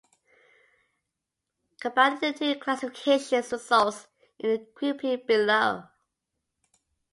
Combining the two classifications results in the grouping below.